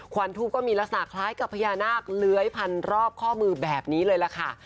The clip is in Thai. วันทูปก็มีลักษณะคล้ายกับพญานาคเลื้อยพันรอบข้อมือแบบนี้เลยล่ะค่ะ